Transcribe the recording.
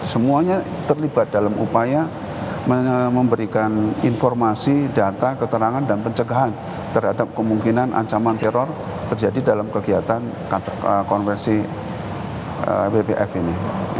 semuanya terlibat dalam upaya memberikan informasi data keterangan dan pencegahan terhadap kemungkinan ancaman teror terjadi dalam kegiatan konversi wpf ini